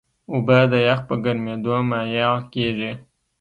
اوبه د یخ په ګرمیېدو مایع کېږي.